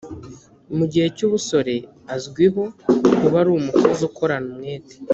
mu gihe cy ubusore azwiho kuba ari umukozi ukorana umwete